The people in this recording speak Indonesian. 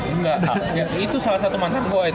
enggak itu salah satu mantan gue